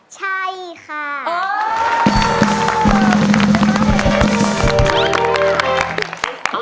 ใช่ค่ะ